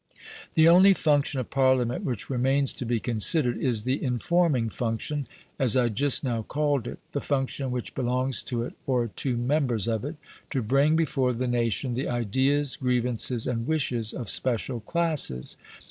The only function of Parliament which remains to be considered is the informing function, as I just now called it; the function which belongs to it, or to members of it, to bring before the nation the ideas, grievances, and wishes of special classes.